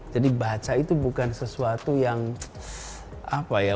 jadi baca itu bukan sesuatu yang apa ya